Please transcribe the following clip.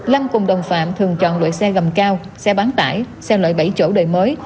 lăng cùng đồng phạm thường chọn loại xe gầm cao xe bán tải xe loại bảy chỗ đời mới